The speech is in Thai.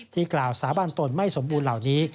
กล่าวสาบานตนไม่สมบูรณเหล่านี้